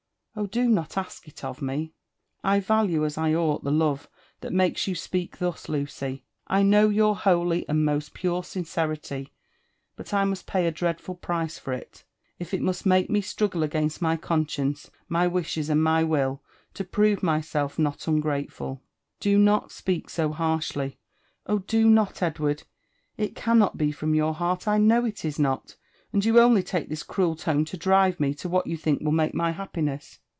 — Oh, do not ask it of me 1" " I value as I ought the love that makes you speak thus, Lucy. I know your holy and most pure sincerity ; but I must pay a dreadful price for it, if it must make me struggle against my conscience, my wishes, and my will, to prove myself not ungrateful." '* Do not speak so harshly— K>h, do not, Edward I It cannot be from your heart, I know it is not ; and you only take this cruel tone to driv9 me to what you think will make my happiness.